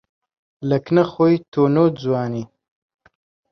لە کنە خۆی تۆ نۆجوانی